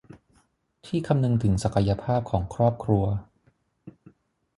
ที่คำนึงถึงศักยภาพของครอบครัว